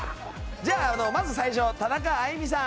じゃあまず最初田中あいみさん。